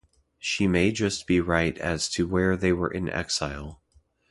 She may just be right as to where they were in exile.